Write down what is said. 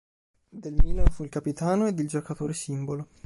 Del Milan fu il capitano ed il giocatore simbolo.